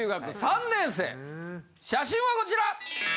写真はこちら！